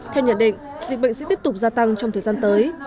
theo nhận định dịch bệnh sẽ tiếp tục gia tăng trong thời gian tới